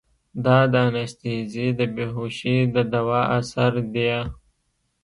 دا د انستيزي د بېهوشي د دوا اثر ديه.